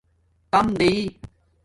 تام دیتی